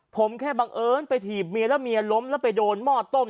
ผมแค่บังเอิญไปถีบเมียแล้วเมียล้มแล้วไปโดนหม้อต้ม